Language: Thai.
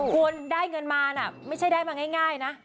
ควรได้เงินมานะไม่ใช่ได้มาง่ายนะ